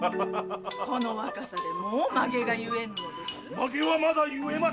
この若さでもう髷が結えぬのです。